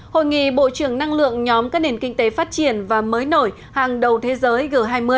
hội nghị bộ trưởng năng lượng nhóm các nền kinh tế phát triển và mới nổi hàng đầu thế giới g hai mươi